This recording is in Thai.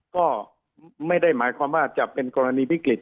ก็ไม่ได้หมายความว่าจะเป็นกรณีวิกฤต